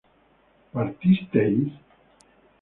¿partisteis?